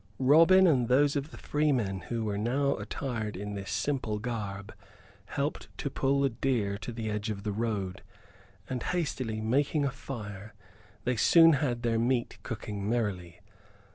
Robin and those of the freemen who were now attired in this simple garb helped to pull the deer to the edge of the road; and, hastily making a fire, they soon had their meat cooking merrily.